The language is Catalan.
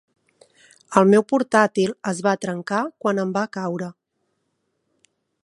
El meu portàtil es va trencar quan em va caure.